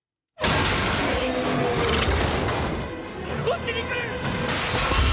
こっちに来る！